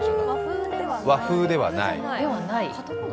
和風ではない。